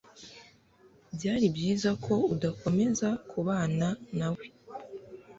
Byari byiza ko udakomeza kubana na we.